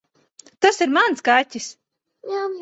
Tas ir mans kaķis.